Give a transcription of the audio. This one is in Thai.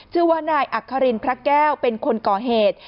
ชื่อว่านายอัครินพระแก้วเป็นคนก่อเหตุ